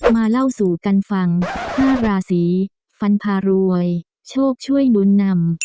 มาเล่าสู่กันฟัง๕ราศีฟันพารวยโชคช่วยหนุนนำ